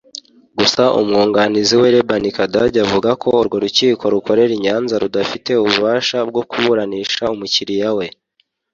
Gusa umwunganizi we Laban Kadage avuga ko urwo rukiko rukorera i Nyanza rudafite ububasha bwo kuburanisha umukiliya we